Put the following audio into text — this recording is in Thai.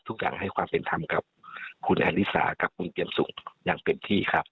ทุกอย่างให้ความเป็นธรรมกับคุณแอนิสากับคุณเจียมสุขอย่างเต็มที่ครับ